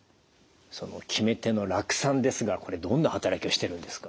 その決め手の酪酸ですがこれどんな働きをしてるんですか？